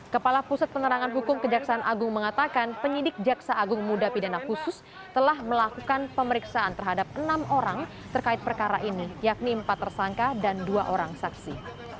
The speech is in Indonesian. kepala pusat penerangan hukum kejaksaan agung mengatakan penyidik jaksa agung muda pidana khusus telah melakukan pemeriksaan terhadap enam orang terkait perkara ini yakni empat tersangka dan dua orang saksi